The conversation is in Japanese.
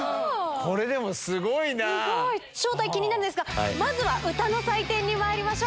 すごい。正体、気になるんですが、まずは歌の採点にまいりましょう。